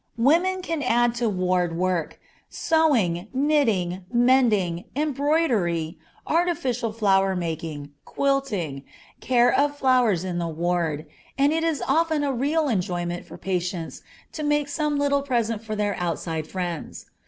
The women can add to ward work, sewing, knitting, mending, embroidery, artificial flower making, quilting, care of flowers in the ward, and it is often a real enjoyment for patients to make some little present for their outside friends.